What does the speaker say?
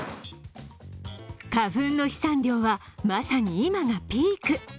花粉の飛散量はまさに今がピーク。